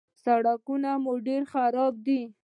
_سړکونه مو ډېر خراب دي.